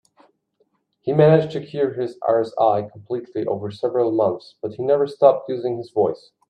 He managed to cure his RSI completely over several months, but he never stopped using his voice.